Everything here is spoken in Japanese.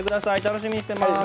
楽しみにしてます。